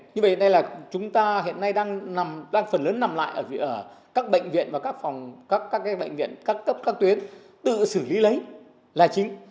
như vậy hiện nay chúng ta đang phần lớn nằm lại ở các bệnh viện và các phòng các bệnh viện các tuyến tự xử lý lấy là chính